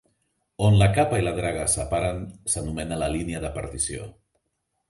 On la capa i la draga es separen s'anomena la línia de partició.